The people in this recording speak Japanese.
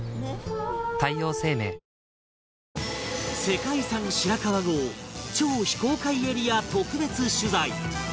世界遺産白川郷超非公開エリア特別取材